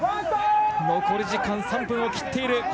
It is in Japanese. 残り時間３分を切っている。